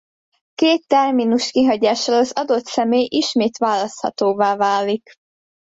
Két terminus kihagyással az adott személy ismét választhatóvá válik.